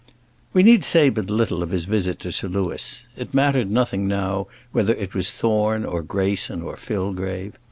We need say but little of his visit to Sir Louis. It mattered nothing now, whether it was Thorne, or Greyson, or Fillgrave.